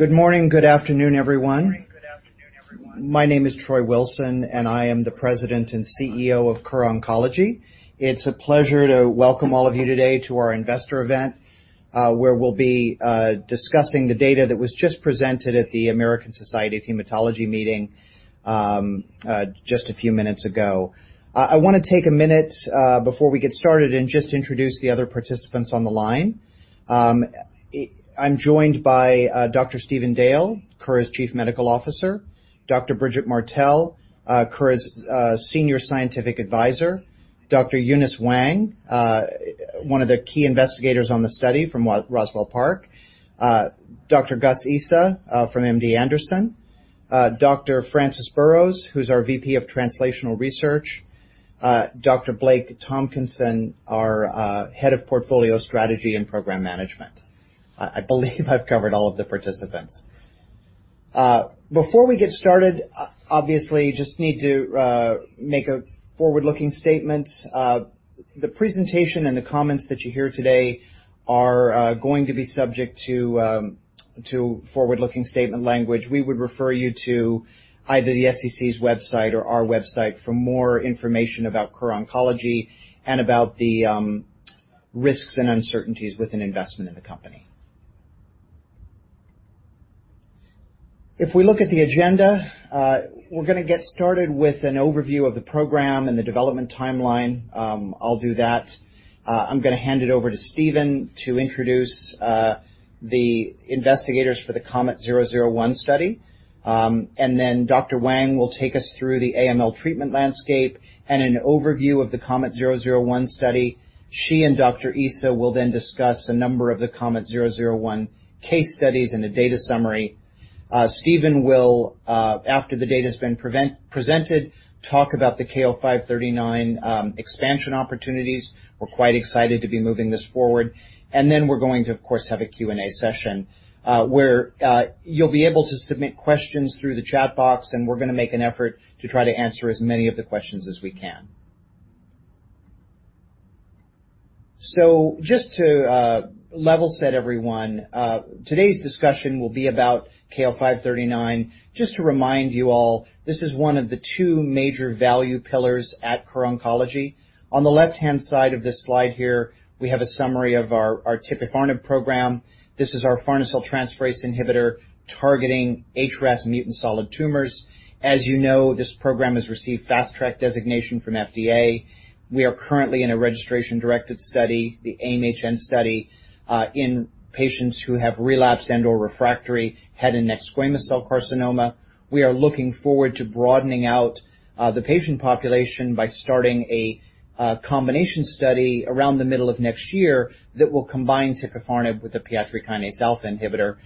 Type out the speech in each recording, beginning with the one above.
Good morning. Good afternoon, everyone. My name is Troy Wilson, I am the President and CEO of Kura Oncology. It's a pleasure to welcome all of you today to our investor event, where we'll be discussing the data that was just presented at the American Society of Hematology meeting just a few minutes ago. I want to take a minute before we get started and just introduce the other participants on the line. I'm joined by Dr. Stephen Dale, Kura's Chief Medical Officer, Dr. Bridget Martell, Kura's Senior Scientific Advisor, Dr. Eunice Wang, one of the key investigators on the study from Roswell Park, Dr. Ghayas Issa from MD Anderson, Dr. Francis Burrows, who's our VP of Translational Research, Dr. Blake Tomkinson, our Head of Portfolio Strategy and Program Management. I believe I've covered all of the participants. Before we get started, obviously, just need to make a forward-looking statement. The presentation and the comments that you hear today are going to be subject to forward-looking statement language. We would refer you to either the SEC's website or our website for more information about Kura Oncology and about the risks and uncertainties with an investment in the company. If we look at the agenda, we're going to get started with an overview of the program and the development timeline. I'll do that. I'm going to hand it over to Stephen to introduce the investigators for the KOMET-001 study. Dr. Wang will take us through the AML treatment landscape and an overview of the KOMET-001 study. She and Dr. Issa will then discuss a number of the KOMET-001 case studies and a data summary. Stephen will, after the data's been presented, talk about the KO-539 expansion opportunities. We're quite excited to be moving this forward. Then we're going to, of course, have a Q&A session, where you'll be able to submit questions through the chat box, and we're going to make an effort to try to answer as many of the questions as we can. Just to level set everyone, today's discussion will be about KO-539. Just to remind you all, this is one of the two major value pillars at Kura Oncology. On the left-hand side of this slide here, we have a summary of our tipifarnib program. This is our farnesyl transferase inhibitor targeting HRAS mutant solid tumors. As you know, this program has received Fast Track designation from FDA. We are currently in a registration-directed study, the AIM-HN study, in patients who have relapsed and/or refractory head and neck squamous cell carcinoma. We are looking forward to broadening out the patient population by starting a combination study around the middle of next year that will combine tipifarnib with the PI3 kinase alpha inhibitor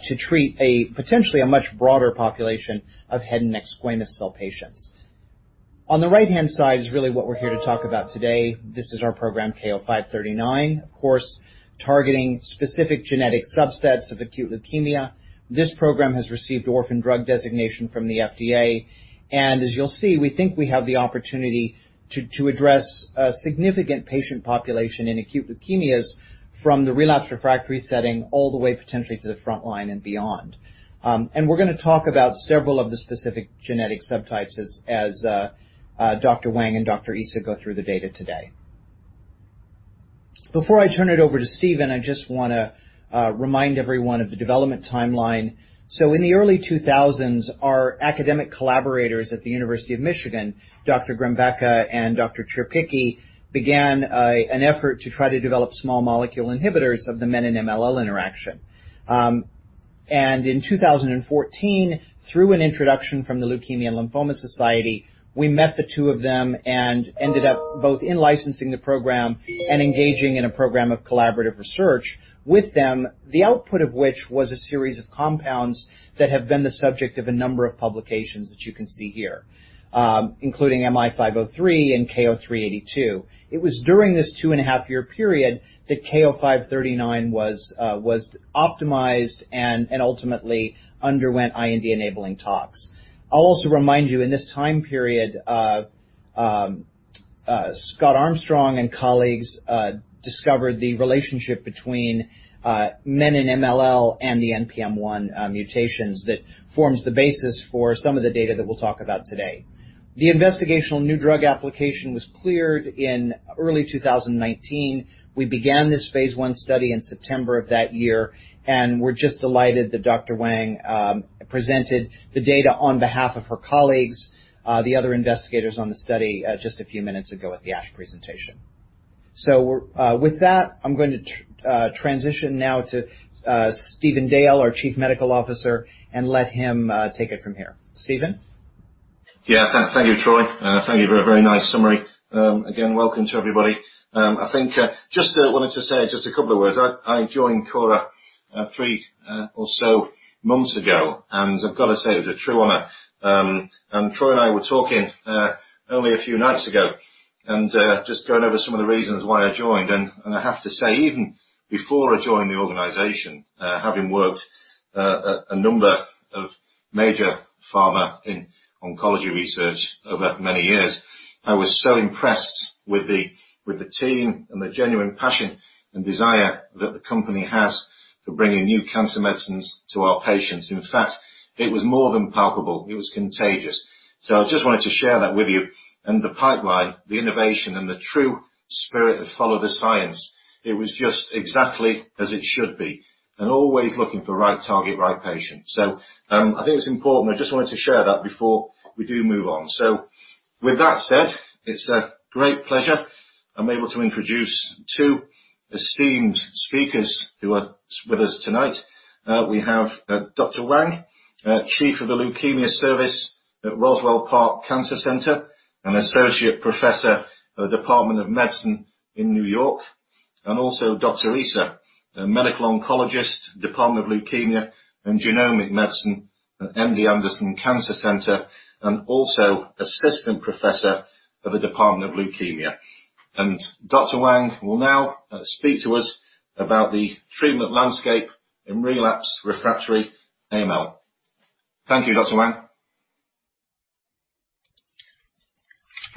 to treat potentially a much broader population of head and neck squamous cell patients. On the right-hand side is really what we're here to talk about today. This is our program, KO-539, of course, targeting specific genetic subsets of acute leukemia. This program has received orphan drug designation from the FDA. As you'll see, we think we have the opportunity to address a significant patient population in acute leukemias from the relapsed refractory setting all the way potentially to the frontline and beyond. We're going to talk about several of the specific genetic subtypes as Dr. Wang and Dr. Issa go through the data today. Before I turn it over to Stephen, I just want to remind everyone of the development timeline. In the early 2000s, our academic collaborators at the University of Michigan, Dr. Grembecka, and Dr. Cierpicki, began an effort to try to develop small molecule inhibitors of the menin-MLL interaction. In 2014, through an introduction from The Leukemia & Lymphoma Society, we met the two of them and ended up both in-licensing the program and engaging in a program of collaborative research with them, the output of which was a series of compounds that have been the subject of a number of publications that you can see here, including MI-503 and KO-382. It was during this two and a half year period that KO-539 was optimized and ultimately underwent IND-enabling tox. I'll also remind you in this time period, Scott Armstrong and colleagues discovered the relationship between menin-MLL and the NPM1 mutations that forms the basis for some of the data that we'll talk about today. The investigational new drug application was cleared in early 2019. We began this phase I study in September of that year, and we're just delighted that Dr. Wang presented the data on behalf of her colleagues, the other investigators on the study, just a few minutes ago at the ASH presentation. With that, I'm going to transition now to Stephen Dale, our Chief Medical Officer, and let him take it from here. Stephen? Thank you, Troy. Thank you for a very nice summary. Again, welcome to everybody. I think I just wanted to say just a couple of words. I joined Kura three or so months ago, and I've got to say, it's a true honor. Troy and I were talking only a few nights ago and just going over some of the reasons why I joined. I have to say, even before I joined the organization, having worked a number of major pharma in oncology research over many years. I was so impressed with the team and the genuine passion and desire that the company has for bringing new cancer medicines to our patients. In fact, it was more than palpable. It was contagious. I just wanted to share that with you. The pipeline, the innovation, and the true spirit that followed the science, it was just exactly as it should be and always looking for right target, right patient. I think it's important. I just wanted to share that before we do move on. With that said, it's a great pleasure, I'm able to introduce two esteemed speakers who are with us tonight. We have Dr. Wang, Chief of the Leukemia Service at Roswell Park Comprehensive Cancer Center, and Associate Professor of the Department of Medicine in New York. Also Dr. Issa, a Medical Oncologist, Department of Leukemia and Genomic Medicine at MD Anderson Cancer Center, and also Assistant Professor of the Department of Leukemia. Dr. Wang will now speak to us about the treatment landscape in relapsed refractory AML. Thank you, Dr. Wang.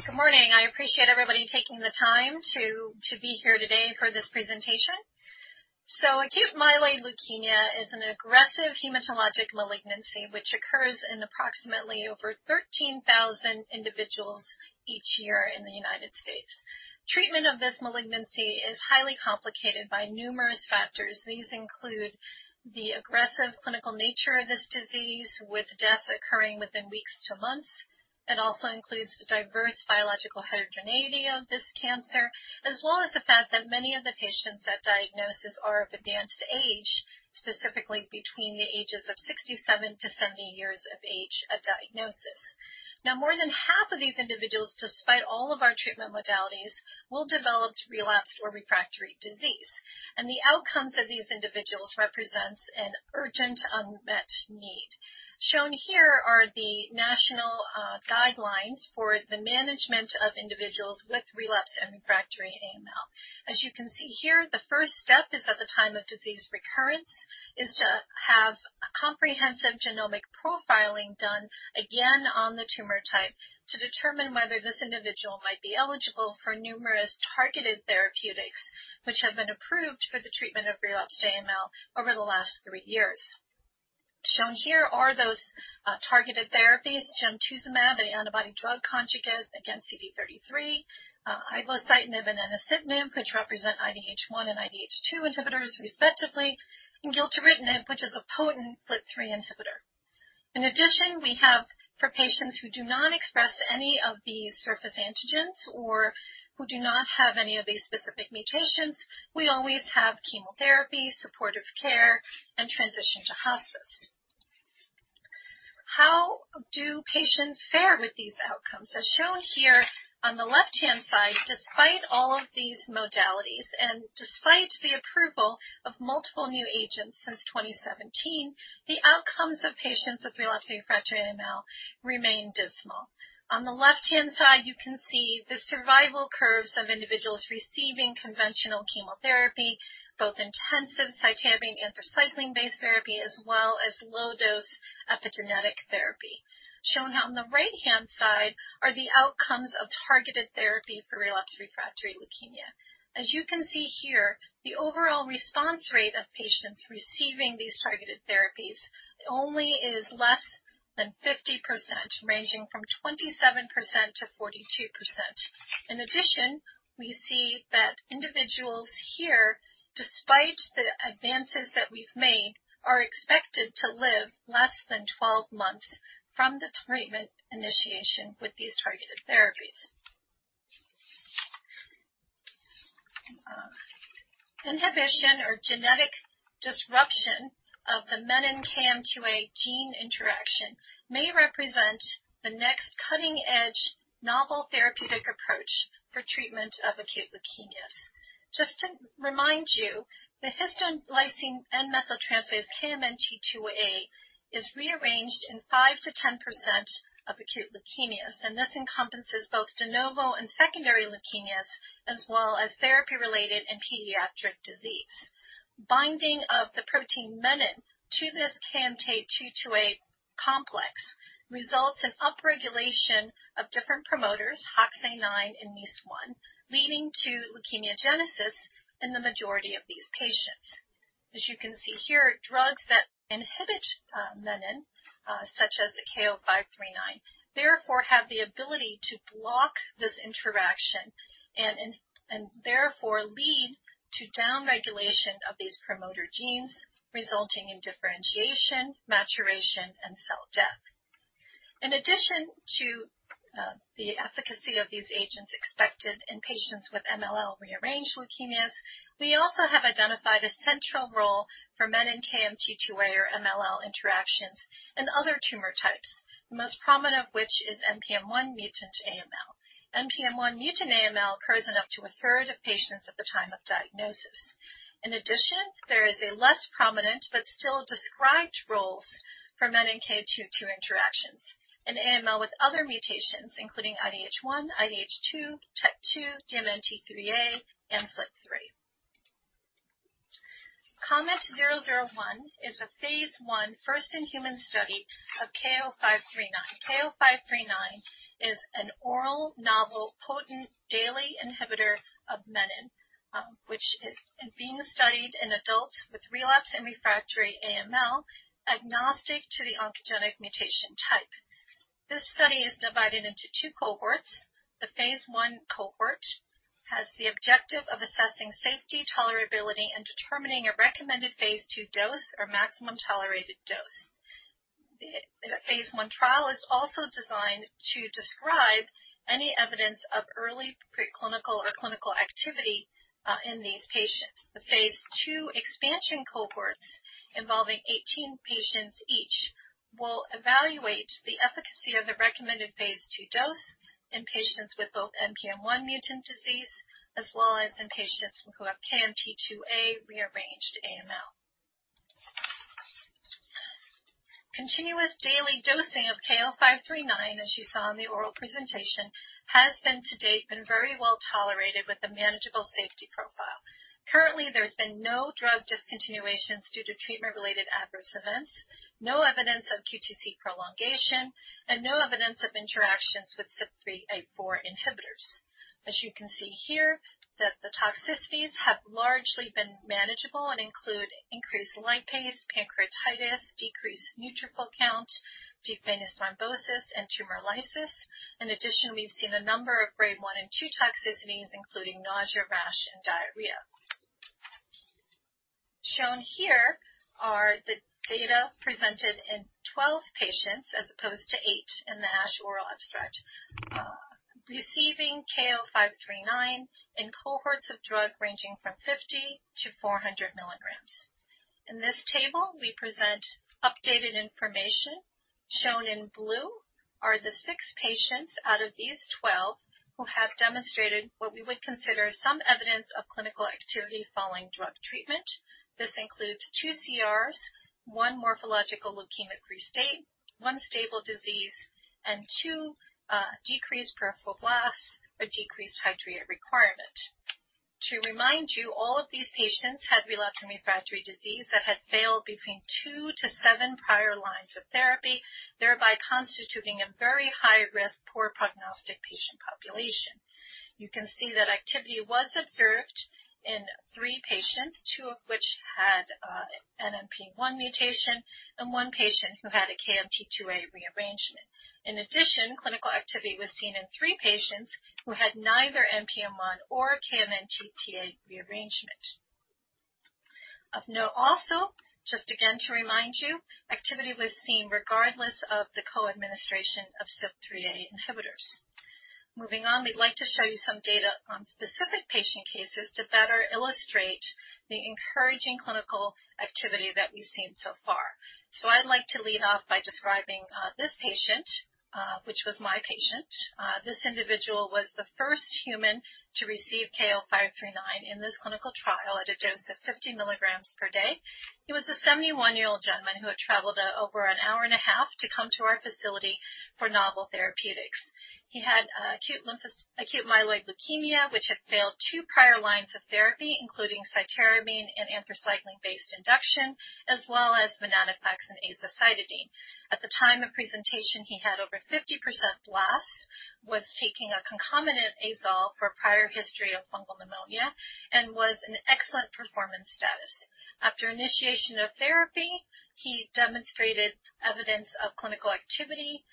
Good morning. I appreciate everybody taking the time to be here today for this presentation. Acute myeloid leukemia is an aggressive hematologic malignancy which occurs in approximately over 13,000 individuals each year in the U.S. Treatment of this malignancy is highly complicated by numerous factors. These include the aggressive clinical nature of this disease, with death occurring within weeks to months. It also includes the diverse biological heterogeneity of this cancer, as well as the fact that many of the patients at diagnosis are of advanced age, specifically between the ages of 67-70 years of age at diagnosis. Now, more than half of these individuals, despite all of our treatment modalities, will develop relapsed or refractory disease, and the outcomes of these individuals represents an urgent unmet need. Shown here are the national guidelines for the management of individuals with relapsed and refractory AML. As you can see here, the first step is at the time of disease recurrence, is to have comprehensive genomic profiling done again on the tumor type to determine whether this individual might be eligible for numerous targeted therapeutics which have been approved for the treatment of relapsed AML over the last three years. Shown here are those targeted therapies, gemtuzumab, the antibody drug conjugate against CD33, ivosidenib and enasidenib, which represent IDH1 and IDH2 inhibitors respectively, and gilteritinib, which is a potent FLT3 inhibitor. In addition, we have for patients who do not express any of these surface antigens or who do not have any of these specific mutations, we always have chemotherapy, supportive care, and transition to hospice. How do patients fare with these outcomes? As shown here on the left-hand side, despite all of these modalities and despite the approval of multiple new agents since 2017, the outcomes of patients with relapsed refractory AML remain dismal. On the left-hand side, you can see the survival curves of individuals receiving conventional chemotherapy, both intensive cytarabine anthracycline-based therapy, as well as low-dose epigenetic therapy. Shown on the right-hand side are the outcomes of targeted therapy for relapsed refractory leukemia. As you can see here, the overall response rate of patients receiving these targeted therapies only is less than 50%, ranging from 27%-42%. In addition, we see that individuals here, despite the advances that we've made, are expected to live less than 12 months from the treatment initiation with these targeted therapies. Inhibition or genetic disruption of the menin-KMT2A gene interaction may represent the next cutting-edge novel therapeutic approach for treatment of acute leukemias. Just to remind you, the histone lysine N-methyltransferase KMT2A is rearranged in 5%-10% of acute leukemias. This encompasses both de novo and secondary leukemias as well as therapy-related and pediatric disease. Binding of the protein menin to this KMT2A complex results in upregulation of different promoters, HOXA9 and MEIS1, leading to leukemogenesis in the majority of these patients. As you can see here, drugs that inhibit menin, such as the KO-539, therefore have the ability to block this interaction and therefore lead to downregulation of these promoter genes, resulting in differentiation, maturation, and cell death. In addition to the efficacy of these agents expected in patients with MLL-rearranged leukemias, we also have identified a central role for MENIN-KMT2A or MLL interactions in other tumor types, the most prominent of which is NPM1 mutant AML. NPM1 mutant AML occurs in up to a third of patients at the time of diagnosis. In addition, there is a less prominent but still described roles for MENIN-KMT2A interactions in AML with other mutations, including IDH1, IDH2, TET2, DNMT3A, and FLT3. KOMET-001 is a phase I, first-in-human study of KO-539. KO-539 is an oral, novel, potent daily inhibitor of menin, which is being studied in adults with relapsed and refractory AML agnostic to the oncogenic mutation type. This study is divided into two cohorts. The phase I cohort has the objective of assessing safety, tolerability, and determining a recommended phase II dose or maximum tolerated dose. The phase I trial is also designed to describe any evidence of early preclinical or clinical activity in these patients. The phase II expansion cohorts involving 18 patients each will evaluate the efficacy of the recommended phase II dose in patients with both NPM1 mutant disease, as well as in patients who have KMT2A rearranged AML. Continuous daily dosing of KO-539, as you saw in the oral presentation, has to date been very well tolerated with a manageable safety profile. Currently, there's been no drug discontinuations due to treatment-related adverse events, no evidence of QTc prolongation, and no evidence of interactions with CYP3A4 inhibitors. As you can see here, the toxicities have largely been manageable and include increased lipase, pancreatitis, decreased neutrophil count, deep venous thrombosis, and tumor lysis. In addition, we've seen a number of grade 1 and 2 toxicities, including nausea, rash, and diarrhea. Shown here are the data presented in 12 patients, as opposed to eight in the ASH oral abstract, receiving KO-539 in cohorts of drug ranging from 50 to 400 milligrams. In this table, we present updated information. Shown in blue are the six patients out of these 12 who have demonstrated what we would consider some evidence of clinical activity following drug treatment. This includes two CRs, one morphologic leukemia-free state, one stable disease, and two decreased peripheral blasts or decreased hydroxyurea requirement. To remind you, all of these patients had relapsed and refractory disease that had failed between two to seven prior lines of therapy, thereby constituting a very high-risk, poor prognostic patient population. You can see that activity was observed in three patients, two of which had an NPM1 mutation and one patient who had a KMT2A rearrangement. In addition, clinical activity was seen in three patients who had neither NPM1 or KMT2A rearrangement. Of note, also, just again to remind you, activity was seen regardless of the co-administration of CYP3A4 inhibitors. Moving on, we'd like to show you some data on specific patient cases to better illustrate the encouraging clinical activity that we've seen so far. I'd like to lead off by describing this patient, which was my patient. This individual was the first human to receive KO-539 in this clinical trial at a dose of 50 milligrams per day. He was a 71-year-old gentleman who had traveled over an hour and a half to come to our facility for novel therapeutics. He had acute myeloid leukemia, which had failed two prior lines of therapy, including cytarabine and anthracycline-based induction, as well as venetoclax and azacitidine. At the time of presentation, he had over 50% blasts, was taking a concomitant azole for prior history of fungal pneumonia, and was in excellent performance status. After initiation of therapy, he demonstrated evidence of clinical activity,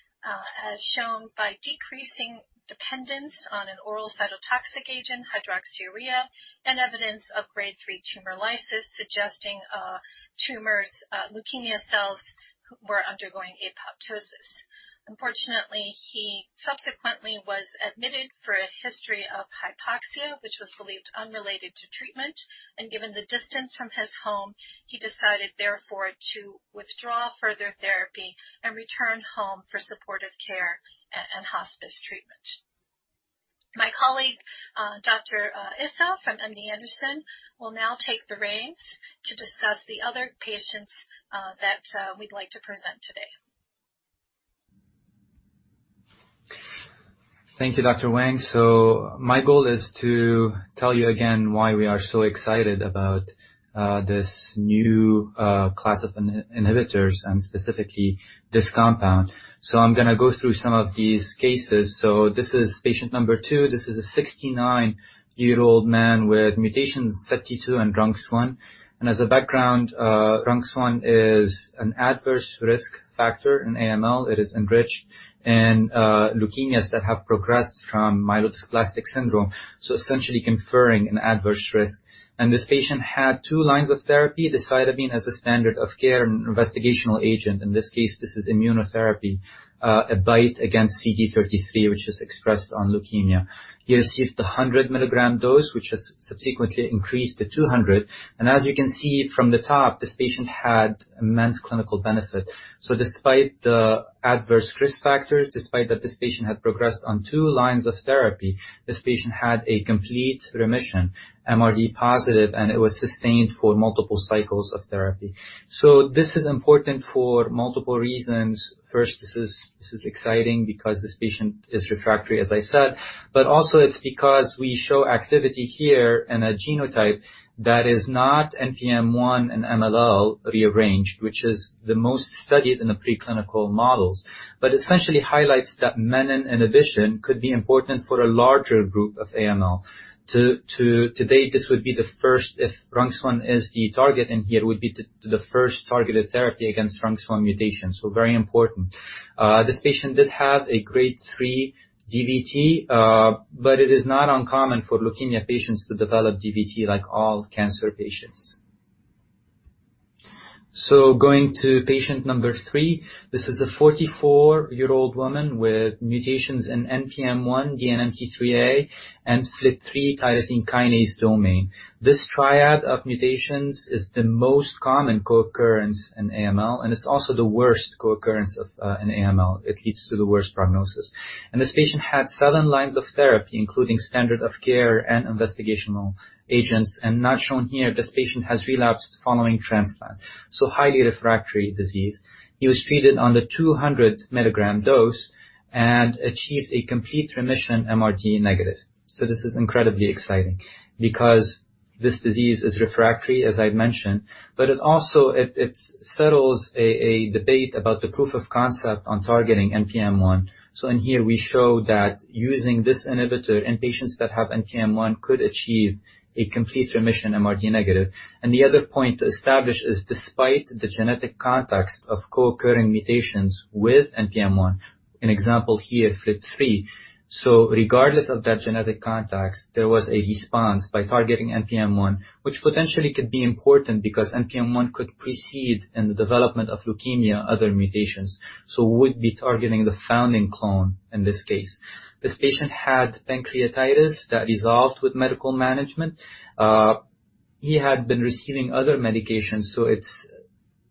as shown by decreasing dependence on an oral cytotoxic agent, hydroxyurea, and evidence of grade 3 tumor lysis suggesting tumor's leukemia cells were undergoing apoptosis. Unfortunately, he subsequently was admitted for a history of hypoxia, which was believed unrelated to treatment, and given the distance from his home, he decided therefore to withdraw further therapy and return home for supportive care and hospice treatment. My colleague, Dr. Issa from MD Anderson, will now take the reins to discuss the other patients that we'd like to present today. Thank you, Dr. Wang. My goal is to tell you again why we are so excited about this new class of menin inhibitors and specifically this compound. I'm going to go through some of these cases. This is patient number two. This is a 69-year-old man with mutations SETD2 and RUNX1. As a background, RUNX1 is an adverse risk factor in AML. It is enriched in leukemias that have progressed from myelodysplastic syndrome, essentially conferring an adverse risk. This patient had two lines of therapy, decitabine as a standard of care and an investigational agent. In this case, this is immunotherapy, BiTE against CD33, which is expressed on leukemia. He received the 100-milligram dose, which was subsequently increased to 200. As you can see from the top, this patient had immense clinical benefit. Despite the adverse risk factors, despite that this patient had progressed on 2 lines of therapy, this patient had a complete remission, MRD positive, and it was sustained for multiple cycles of therapy. This is important for multiple reasons. First, this is exciting because this patient is refractory, as I said. Also, it's because we show activity here in a genotype that is not NPM1 and MLL rearranged, which is the most studied in the preclinical models. Essentially highlights that menin inhibition could be important for a larger group of AML. To date, this would be the first, if RUNX1 is the target in here, it would be the first targeted therapy against RUNX1 mutations, so very important. This patient did have a grade 3 DVT. It is not uncommon for leukemia patients to develop DVT like all cancer patients. Going to patient number three. This is a 44-year-old woman with mutations in NPM1, DNMT3A, and FLT3 tyrosine kinase domain. This triad of mutations is the most common co-occurrence in AML, it's also the worst co-occurrence in AML. It leads to the worst prognosis. This patient had seven lines of therapy, including standard of care and investigational agents. Not shown here, this patient has relapsed following transplant, highly refractory disease. He was treated on the 200 milligram dose achieved a complete remission MRD negative. This is incredibly exciting because this disease is refractory, as I've mentioned, it also settles a debate about the proof of concept on targeting NPM1. In here we show that using this inhibitor in patients that have NPM1 could achieve a complete remission MRD negative. The other point to establish is despite the genetic context of co-occurring mutations with NPM1, an example here, FLT3. Regardless of that genetic context, there was a response by targeting NPM1, which potentially could be important because NPM1 could precede in the development of leukemia other mutations. We would be targeting the founding clone in this case. This patient had pancreatitis that resolved with medical management. He had been receiving other medications, so it's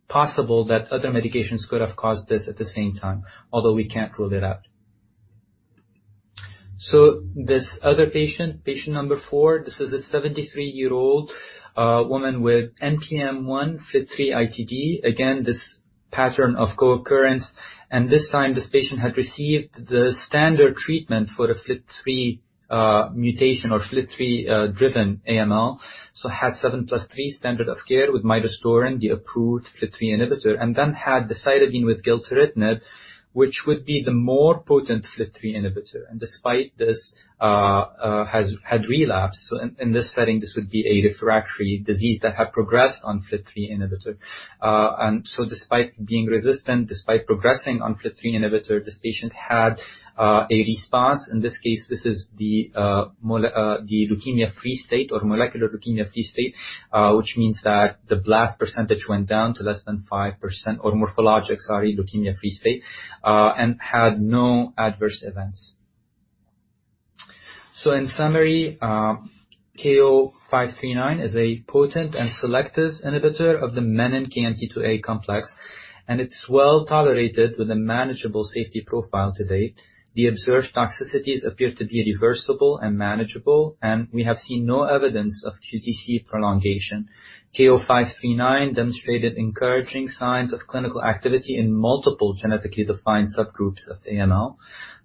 possible that other medications could have caused this at the same time, although we can't rule it out. This other patient number four. This is a 73-year-old woman with NPM1 FLT3-ITD. Again, this pattern of co-occurrence. This time this patient had received the standard treatment for a FLT3 mutation or FLT3-driven AML. Had seven plus three standard of care with midostaurin, the approved FLT3 inhibitor, then had decitabine with gilteritinib, which would be the more potent FLT3 inhibitor. Despite this, had relapsed. In this setting, this would be a refractory disease that had progressed on FLT3 inhibitor. Despite being resistant, despite progressing on FLT3 inhibitor, this patient had a response. In this case, this is the leukemia-free state or molecular leukemia-free state, which means that the blast percentage went down to less than 5% or morphologic, sorry, leukemia-free state, and had no adverse events. In summary, KO-539 is a potent and selective inhibitor of the MENIN-KMT2A complex, it's well-tolerated with a manageable safety profile to date. The observed toxicities appear to be reversible and manageable, we have seen no evidence of QTc prolongation. KO-539 demonstrated encouraging signs of clinical activity in multiple genetically defined subgroups of AML.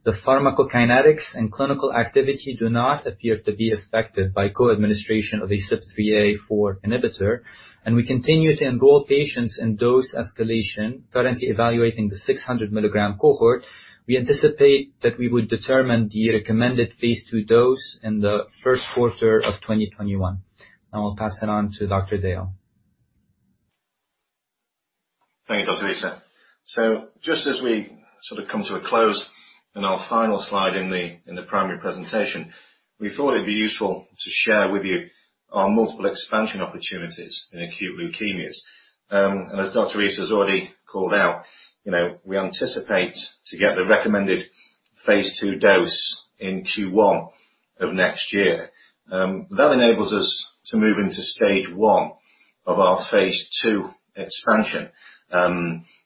The pharmacokinetics and clinical activity do not appear to be affected by co-administration of a CYP3A4 inhibitor. We continue to enroll patients in dose escalation, currently evaluating the 600 milligram cohort. We anticipate that we would determine the recommended phase II dose in the first quarter of 2021. Now I'll pass it on to Dr. Dale. Thank you, Dr. Issa. Just as we sort of come to a close in our final slide in the primary presentation, we thought it'd be useful to share with you our multiple expansion opportunities in acute leukemias. As Dr. Issa has already called out, we anticipate to get the recommended phase II dose in Q1 of next year. That enables us to move into stage 1 of our phase II expansion.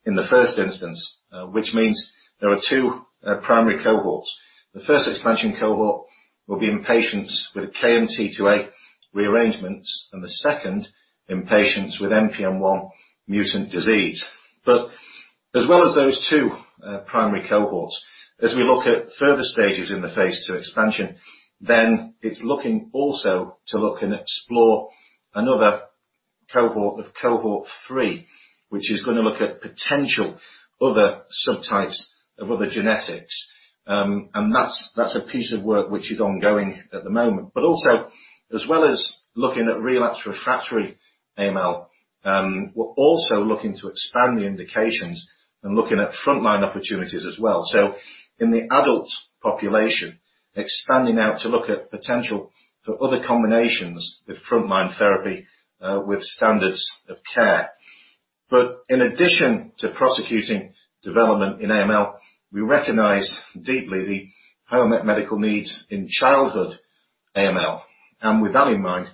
In the first instance, which means there are two primary cohorts. The first expansion cohort will be in patients with KMT2A rearrangements and the second in patients with NPM1 mutant disease. As well as those two primary cohorts, as we look at further stages in the phase II expansion, it's looking also to look and explore another cohort with cohort 3, which is going to look at potential other subtypes of other genetics. That's a piece of work which is ongoing at the moment. Also, as well as looking at relapse refractory AML, we're also looking to expand the indications and looking at frontline opportunities as well. In the adult population, expanding out to look at potential for other combinations with frontline therapy with standards of care. In addition to prosecuting development in AML, we recognize deeply the unmet medical needs in childhood AML. With that in mind,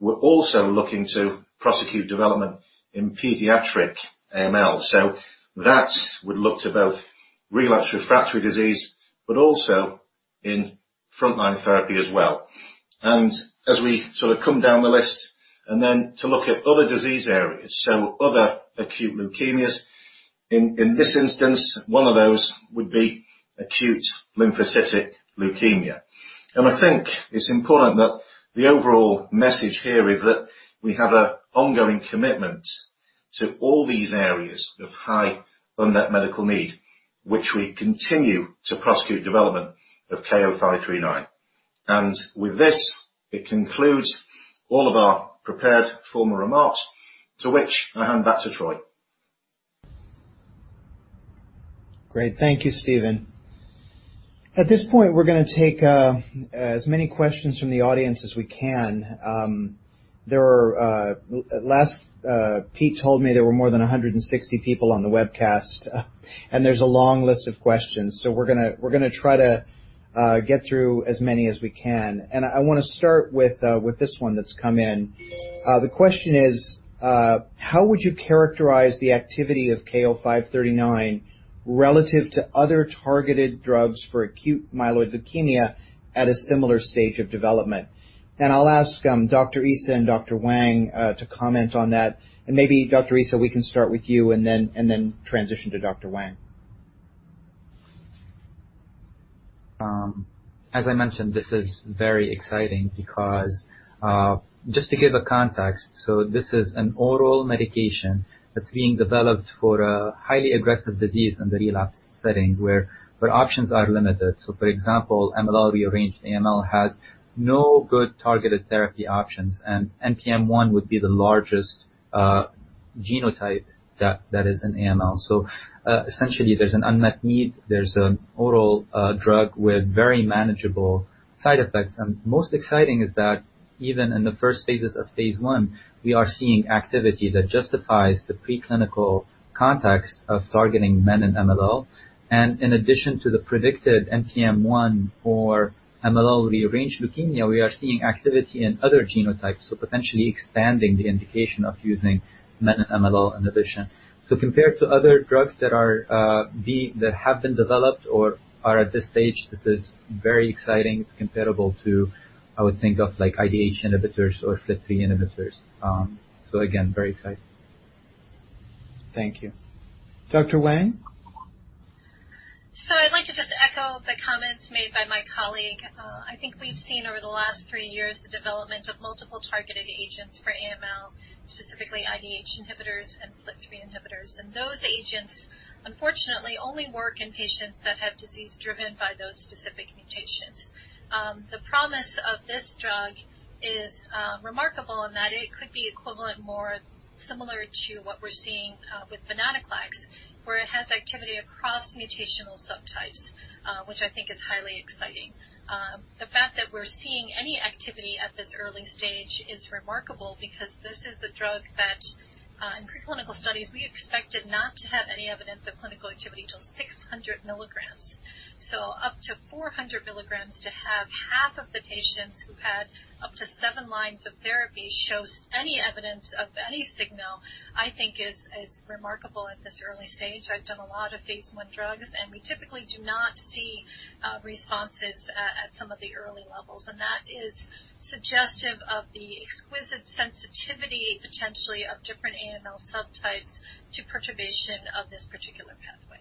we're also looking to prosecute development in pediatric AML. That would look to both relapse refractory disease, but also in frontline therapy as well. As we sort of come down the list and then to look at other disease areas, so other acute leukemias. In this instance, one of those would be acute lymphocytic leukemia. I think it's important that the overall message here is that we have an ongoing commitment to all these areas of high unmet medical need, which we continue to prosecute development of KO-539. With this, it concludes all of our prepared formal remarks. To which I hand back to Troy. Great. Thank you, Stephen. At this point, we're going to take as many questions from the audience as we can. Pete told me there were more than 160 people on the webcast. There's a long list of questions. We're going to try to get through as many as we can. I want to start with this one that's come in. The question is, how would you characterize the activity of KO-539 relative to other targeted drugs for acute myeloid leukemia at a similar stage of development? I'll ask Dr. Issa and Dr. Wang to comment on that. Maybe Dr. Issa, we can start with you, and then transition to Dr. Wang. As I mentioned, this is very exciting because just to give a context, so this is an oral medication that's being developed for a highly aggressive disease in the relapsed setting where options are limited. For example, MLL-rearranged AML has no good targeted therapy options, and NPM1 would be the largest genotype that is in AML. Essentially, there's an unmet need. There's an oral drug with very manageable side effects, and most exciting is that even in the first phases of phase I, we are seeing activity that justifies the preclinical context of targeting menin-MLL. In addition to the predicted NPM1 for MLL-rearranged leukemia, we are seeing activity in other genotypes, so potentially expanding the indication of using menin-MLL inhibition. Compared to other drugs that have been developed or are at this stage, this is very exciting. It's comparable to, I would think of IDH inhibitors or FLT3 inhibitors. Again, very exciting. Thank you. Dr. Wang? I'd like to just echo the comments made by my colleague. I think we've seen over the last three years the development of multiple targeted agents for AML, specifically IDH inhibitors and FLT3 inhibitors. Those agents, unfortunately, only work in patients that have disease driven by those specific mutations. The promise of this drug is remarkable in that it could be equivalent, more similar to what we're seeing with venetoclax, where it has activity across mutational subtypes, which I think is highly exciting. The fact that we're seeing any activity at this early stage is remarkable because this is a drug that in preclinical studies, we expected not to have any evidence of clinical activity till 600 milligrams. Up to 400 milligrams, to have half of the patients who had up to seven lines of therapy shows any evidence of any signal, I think is remarkable at this early stage. We typically do not see responses at some of the early levels. That is suggestive of the exquisite sensitivity, potentially of different AML subtypes to perturbation of this particular pathway.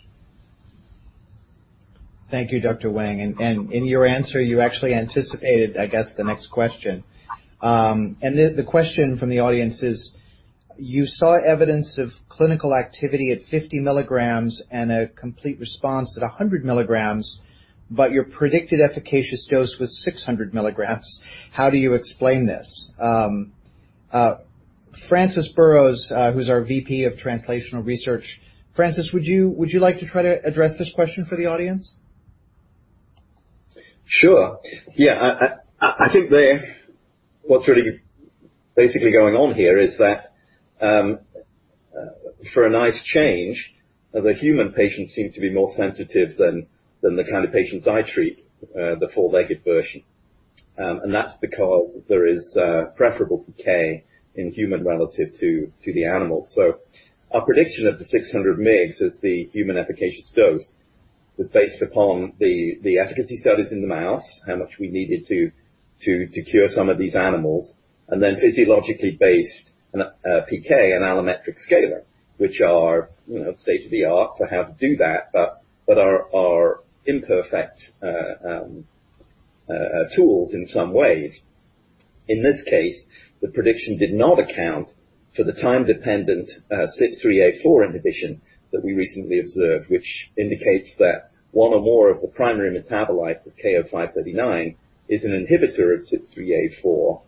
Thank you, Dr. Wang. In your answer, you actually anticipated, I guess, the next question. The question from the audience is, you saw evidence of clinical activity at 50 milligrams and a complete response at 100 milligrams, but your predicted efficacious dose was 600 milligrams. How do you explain this? Francis Burrows, who's our VP of Translational Research. Francis, would you like to try to address this question for the audience? Sure. Yeah. I think what's really basically going on here is that for a nice change, the human patients seem to be more sensitive than the kind of patients I treat, the four-legged version. That's because there is preferable PK in human relative to the animals. Our prediction of the 600 mg as the human efficacious dose was based upon the efficacy studies in the mouse, how much we needed to cure some of these animals, and then physiologically based PK and allometric scalar, which are state-of-the-art to help do that, but are imperfect tools in some ways. In this case, the prediction did not account for the time-dependent CYP3A4 inhibition that we recently observed, which indicates that one or more of the primary metabolites of KO-539 is an inhibitor of CYP3A4.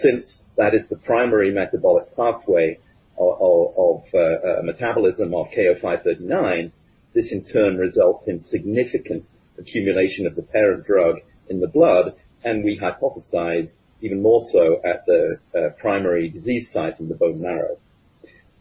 Since that is the primary metabolic pathway of metabolism of KO-539, this in turn results in significant accumulation of the parent drug in the blood, and we hypothesized even more so at the primary disease site in the bone marrow.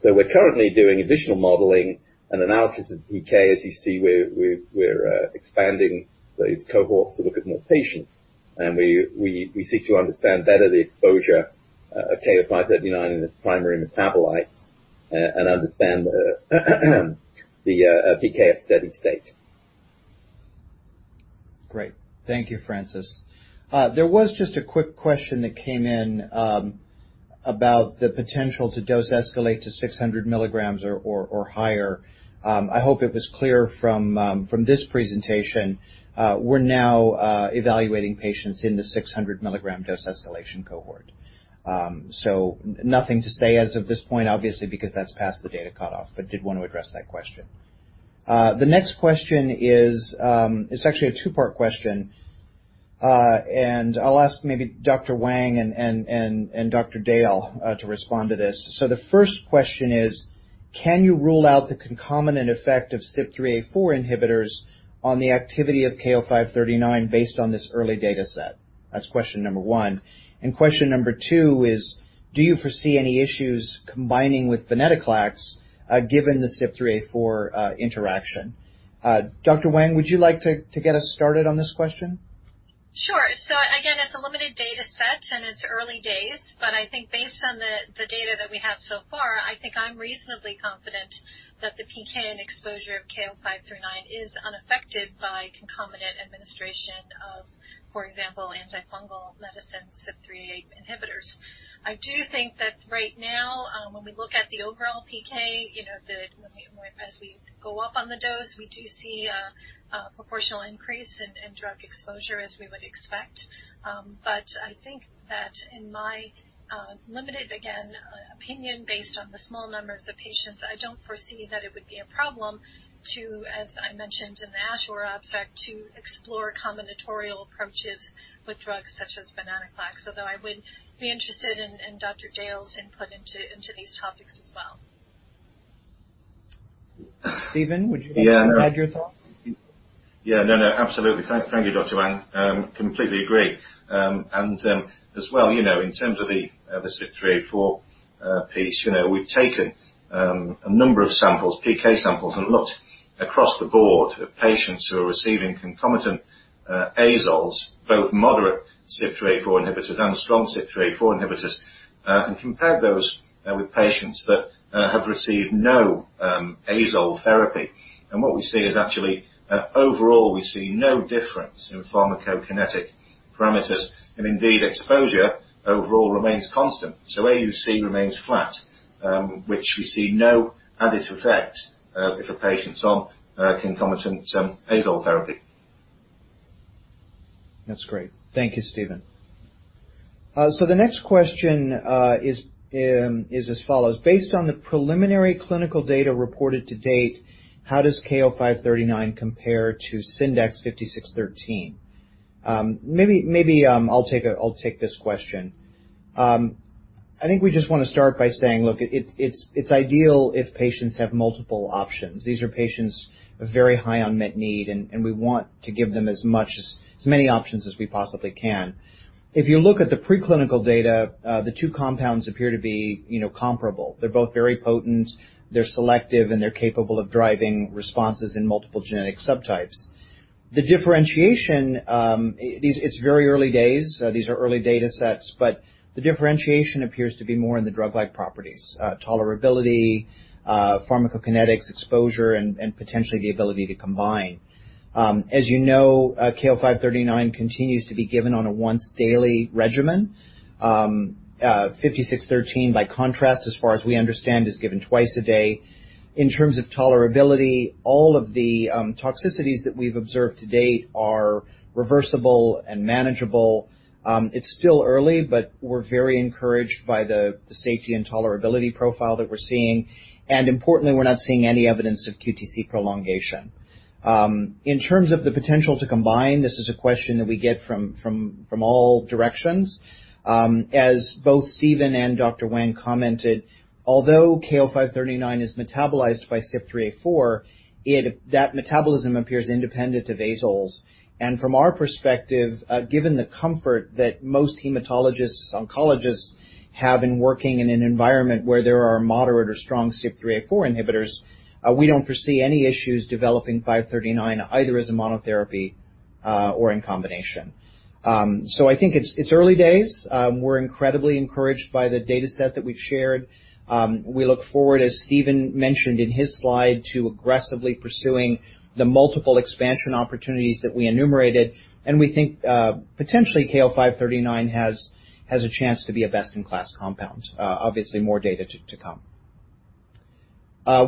We're currently doing additional modeling and analysis of PK. As you see, we're expanding these cohorts to look at more patients, and we seek to understand better the exposure of KO-539 and its primary metabolites and understand the PK at steady state. Great. Thank you, Francis. There was just a quick question that came in about the potential to dose escalate to 600 milligrams or higher. I hope it was clear from this presentation. We're now evaluating patients in the 600-milligram dose escalation cohort. Nothing to say as of this point, obviously, because that's past the data cutoff, but did want to address that question. The next question is actually a two-part question. I'll ask maybe Dr. Wang and Dr. Dale to respond to this. The first question is, can you rule out the concomitant effect of CYP3A4 inhibitors on the activity of KO-539 based on this early data set? That's question number one. Question number two is, do you foresee any issues combining with venetoclax given the CYP3A4 interaction? Dr. Wang, would you like to get us started on this question? Sure. Again, it's a limited data set and it's early days, but I think based on the data that we have so far, I think I'm reasonably confident that the PK and exposure of KO-539 is unaffected by concomitant administration of, for example, antifungal medicines, CYP3A4 inhibitors. I do think that right now, when we look at the overall PK, as we go up on the dose, we do see a proportional increase in drug exposure as we would expect. I think that in my limited, again, opinion, based on the small numbers of patients, I don't foresee that it would be a problem to, as I mentioned in the ASH abstract, to explore combinatorial approaches with drugs such as venetoclax, although I would be interested in Dr. Dale's input into these topics as well. Stephen, would you like to add your thoughts? Yeah, no, absolutely. Thank you, Dr. Wang. Completely agree. As well, in terms of the CYP3A4 piece, we've taken a number of samples, PK samples, and looked across the board of patients who are receiving concomitant azoles, both moderate CYP3A4 inhibitors and strong CYP3A4 inhibitors, and compared those with patients that have received no azole therapy. What we see is actually, overall, we see no difference in pharmacokinetic parameters. Indeed, exposure overall remains constant. AUC remains flat, which we see no additive effect if a patient's on concomitant azole therapy. That's great. Thank you, Stephen. The next question is as follows: Based on the preliminary clinical data reported to date, how does KO-539 compare to SNDX-5613? Maybe I'll take this question. I think we just want to start by saying, look, it's ideal if patients have multiple options. These are patients with very high unmet need, and we want to give them as many options as we possibly can. If you look at the preclinical data, the two compounds appear to be comparable. They're both very potent, they're selective, and they're capable of driving responses in multiple genetic subtypes. The differentiation, it's very early days, these are early data sets, but the differentiation appears to be more in the drug-like properties, tolerability, pharmacokinetics, exposure, and potentially the ability to combine. As you know, KO-539 continues to be given on a once-daily regimen. 5613, by contrast, as far as we understand, is given twice a day. In terms of tolerability, all of the toxicities that we've observed to date are reversible and manageable. It's still early, but we're very encouraged by the safety and tolerability profile that we're seeing. Importantly, we're not seeing any evidence of QTc prolongation. In terms of the potential to combine, this is a question that we get from all directions. As both Stephen and Dr. Wang commented, although KO-539 is metabolized by CYP3A4, that metabolism appears independent of azoles. From our perspective, given the comfort that most hematologists, oncologists have in working in an environment where there are moderate or strong CYP3A4 inhibitors, we don't foresee any issues developing 539 either as a monotherapy or in combination. I think it's early days. We're incredibly encouraged by the data set that we've shared. We look forward, as Stephen mentioned in his slide, to aggressively pursuing the multiple expansion opportunities that we enumerated. We think potentially KO-539 has a chance to be a best-in-class compound. Obviously, more data to come.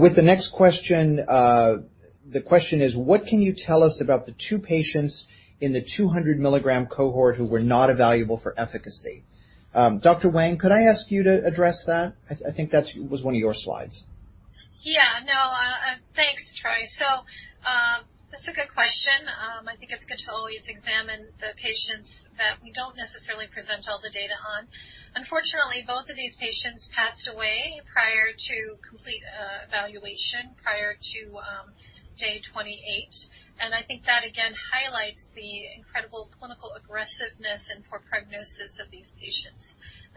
With the next question, the question is, what can you tell us about the two patients in the 200 milligram cohort who were not evaluable for efficacy? Dr. Wang, could I ask you to address that? I think that was one of your slides. Yeah. No. Thanks, Troy. That's a good question. I think it's good to always examine the patients that we don't necessarily present all the data on. Unfortunately, both of these patients passed away prior to complete evaluation, prior to day 28. I think that, again, highlights the incredible clinical aggressiveness and poor prognosis of these patients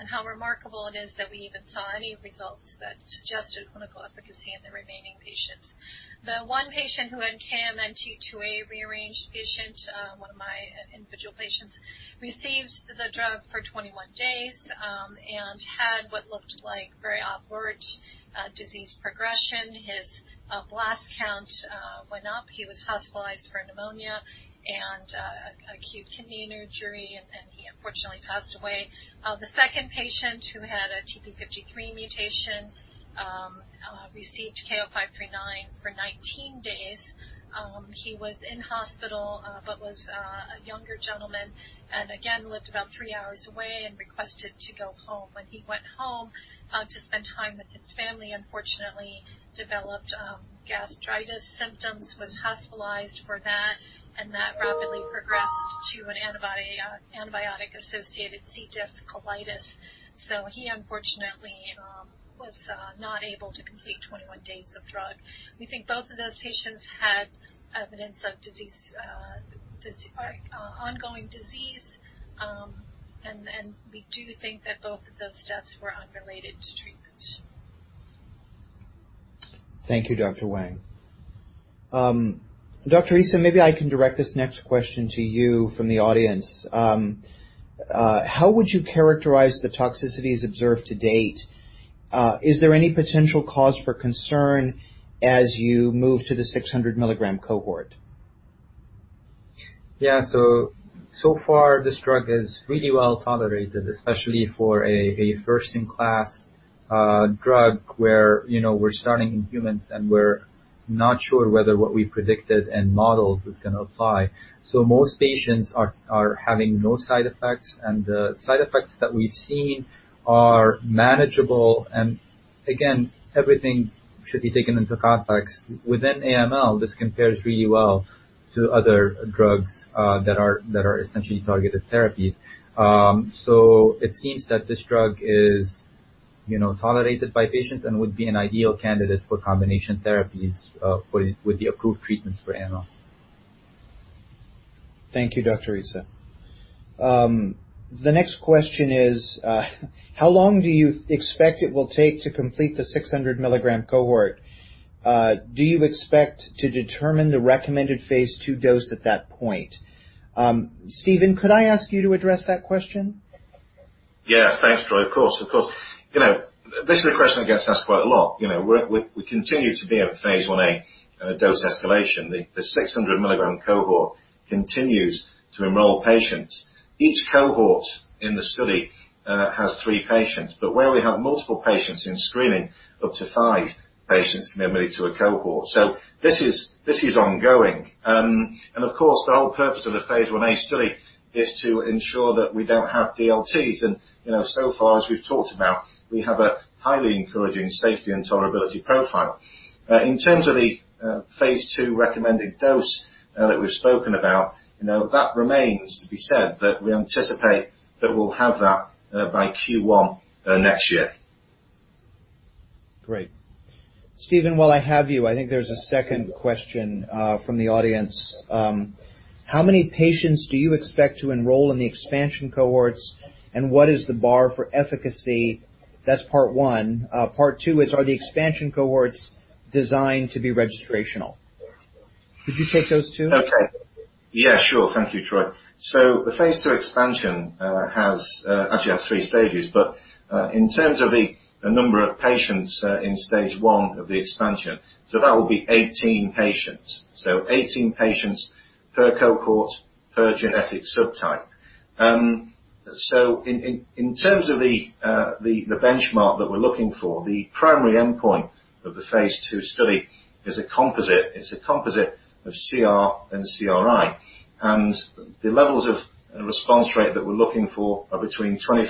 and how remarkable it is that we even saw any results that suggested clinical efficacy in the remaining patients. T he one patient who had KMT2A rearranged patient, one of my individual patients, received the drug for 21 days and had what looked like very awkward disease progression. His blast count went up. He was hospitalized for pneumonia and acute kidney injury, he unfortunately passed away. The second patient, who had a TP53 mutation, received KO-539 for 19 days. He was in hospital but was a younger gentleman and again, lived about three hours away and requested to go home. When he went home to spend time with his family, unfortunately developed gastritis symptoms, was hospitalized for that, and that rapidly progress to an antibiotic-associated C. diff colitis. He unfortunately was not able to complete 21 days of drug. We think both of those patients had evidence of ongoing disease. We do think that both of those deaths were unrelated to treatment. Thank you, Dr. Wang. Dr. Issa, maybe I can direct this next question to you from the audience. How would you characterize the toxicities observed to date? Is there any potential cause for concern as you move to the 600 milligram cohort? Yeah. So far this drug is really well tolerated, especially for a first-in-class drug where we're starting in humans and we're not sure whether what we predicted in models is going to apply. Most patients are having no side effects, and the side effects that we've seen are manageable. Again, everything should be taken into context. Within AML, this compares really well to other drugs that are essentially targeted therapies. It seems that this drug is tolerated by patients and would be an ideal candidate for combination therapies with the approved treatments for AML. Thank you, Dr. Issa. The next question is how long do you expect it will take to complete the 600 milligram cohort? Do you expect to determine the recommended phase II dose at that point? Stephen, could I ask you to address that question? Yeah. Thanks, Troy. Of course. This is a question that gets asked quite a lot. We continue to be in phase I-A dose escalation. The 600 mg cohort continues to enroll patients. Each cohort in the study has three patients. Where we have multiple patients in screening, up to five patients can be added to a cohort. This is ongoing. Of course, the whole purpose of the phase I-A study is to ensure that we don't have DLTs. So far as we've talked about, we have a highly encouraging safety and tolerability profile. In terms of the phase II recommended dose that we've spoken about, that remains to be said, we anticipate that we'll have that by Q1 next year. Great. Stephen, while I have you, I think there's a second question from the audience. How many patients do you expect to enroll in the expansion cohorts, and what is the bar for efficacy? That's part one. Part two is, are the expansion cohorts designed to be registrational? Could you take those two? Thank you, Troy. The phase II expansion actually has three stages. In terms of the number of patients in stage 1 of the expansion, so that will be 18 patients. 18 patients per cohort, per genetic subtype. In terms of the benchmark that we're looking for, the primary endpoint of the phase II study is a composite. It's a composite of CR and CRi. The levels of response rate that we're looking for are between 25%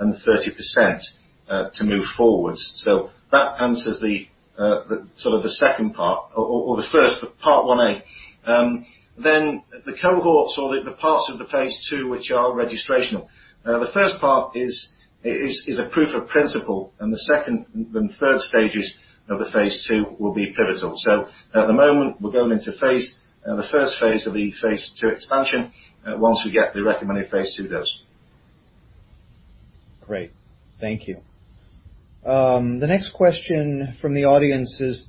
and 30% to move forward. That answers the first, part 1a. The cohorts or the parts of the phase II which are registrational. The first part is a proof of principle, and the second and third stages of the phase II will be pivotal. At the moment, we're going into the first phase of the phase II expansion once we get the recommended phase II dose. Great. Thank you. The next question from the audience is,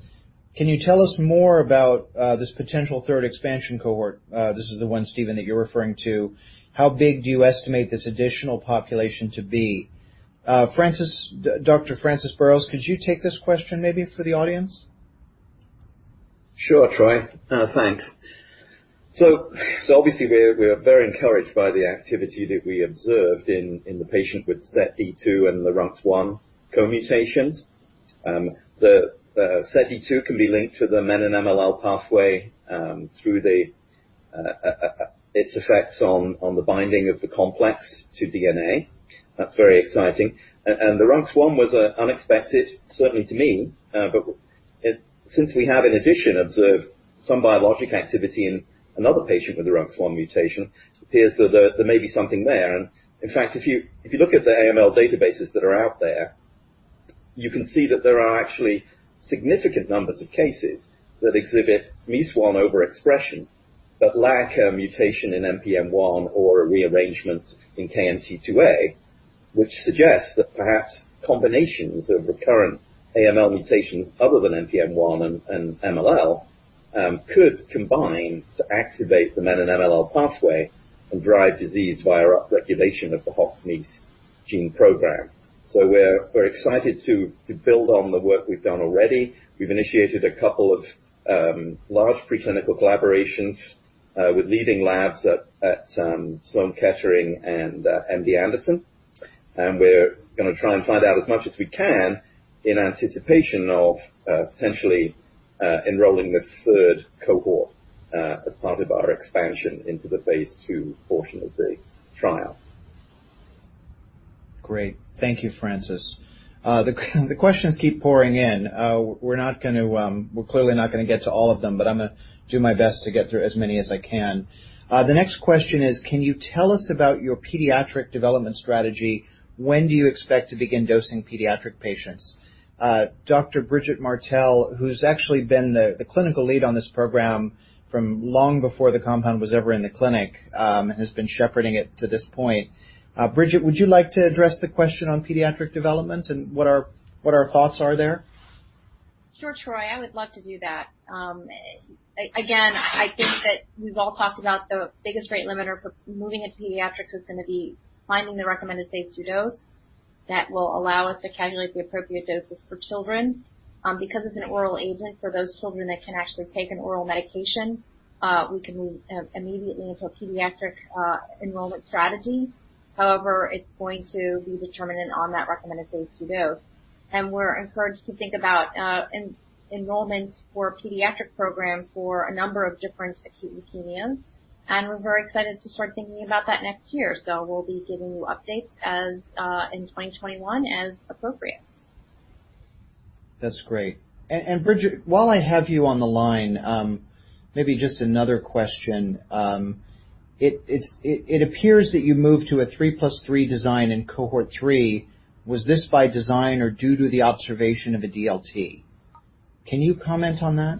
can you tell us more about this potential third expansion cohort? This is the one, Stephen, that you're referring to. How big do you estimate this additional population to be? Dr. Francis Burrows, could you take this question maybe for the audience? Sure, Troy. Thanks. Obviously, we're very encouraged by the activity that we observed in the patient with SETD2 and the RUNX1 co-mutations. The SETD2 can be linked to the menin-MLL pathway through its effects on the binding of the complex to DNA. That's very exciting. The RUNX1 was unexpected, certainly to me. Since we have, in addition, observed some biologic activity in another patient with a RUNX1 mutation, it appears that there may be something there. In fact, if you look at the AML databases that are out there, you can see that there are actually significant numbers of cases that exhibit MEIS1 overexpression but lack a mutation in NPM1 or a rearrangement in KMT2A, which suggests that perhaps combinations of recurrent AML mutations other than NPM1 and MLL could combine to activate the menin-MLL pathway and drive disease via up-regulation of the HOX/MEIS gene program. We're excited to build on the work we've done already. We've initiated a couple of large preclinical collaborations with leading labs at Sloan Kettering and MD Anderson. We're going to try and find out as much as we can in anticipation of potentially enrolling this third cohort as part of our expansion into the phase II portion of the trial. Great. Thank you, Francis. The questions keep pouring in. We're clearly not going to get to all of them, but I'm going to do my best to get through as many as I can. The next question is, can you tell us about your pediatric development strategy? When do you expect to begin dosing pediatric patients? Dr. Bridget Martell, who's actually been the clinical lead on this program from long before the compound was ever in the clinic, has been shepherding it to this point. Bridget, would you like to address the question on pediatric development and what our thoughts are there? Sure, Troy, I would love to do that. Again, I think that we've all talked about the biggest rate limiter for moving into pediatrics is going to be finding the recommended phase II dose that will allow us to calculate the appropriate doses for children. Because it's an oral agent for those children that can actually take an oral medication, we can move immediately into a pediatric enrollment strategy. However, it's going to be determined on that recommended phase II dose. We're encouraged to think about enrollment for pediatric program for a number of different acute leukemias, and we're very excited to start thinking about that next year. We'll be giving you updates in 2021 as appropriate. That's great. Bridget, while I have you on the line, maybe just another question. It appears that you moved to a three plus three design in cohort 3. Was this by design or due to the observation of a DLT? Can you comment on that?